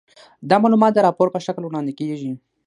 دا معلومات د راپور په شکل وړاندې کیږي.